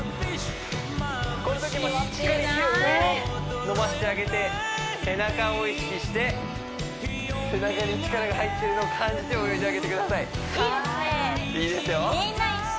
このときもしっかり手を上に伸ばしてあげて背中を意識して背中に力が入ってるのを感じて泳いであげてくださいいいですねいいですよ